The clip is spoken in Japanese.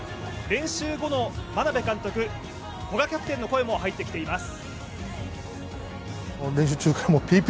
練習後の眞鍋監督、古賀キャプテンの声も入ってきています。